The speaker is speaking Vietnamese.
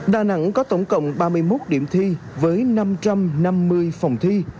đà nẵng có tổng cộng ba mươi một điểm thi với năm trăm năm mươi phòng thi